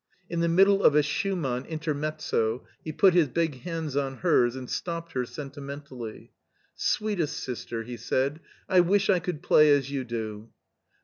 In the middle of a Schumann intermezzo he put his big hands on hers and stopped her sentimen tally. "Sweetest sister," he said, "I wish I could play as you do."